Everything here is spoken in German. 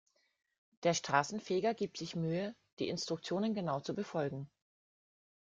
Der Straßenfeger gibt sich Mühe, die Instruktionen genau zu befolgen.